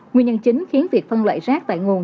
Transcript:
nguyên nhân chính khiến việc phân loại rác tại nguồn